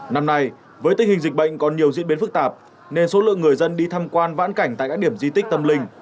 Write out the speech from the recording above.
năm nay với tình hình dịch bệnh còn nhiều diễn biến phức tạp nên số lượng người dân đi tham quan vãn cảnh tại các điểm di tích tâm linh